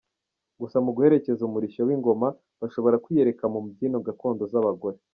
Gusa mu guherekeza umurishyo w’ingoma, bashobora kwiyereka mu mbyino gakondo z’abagore.